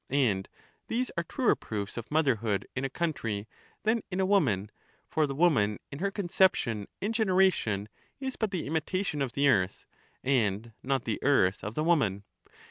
And these are truer proofs of motherhood in a country than in a woman, for the woman in her conception and generation is but the imitation of the earth, and not the earth of the woman.